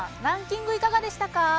ランキングいかがでしたか？